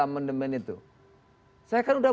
amandemen itu saya kan udah